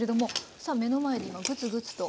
さあ目の前で今グツグツと。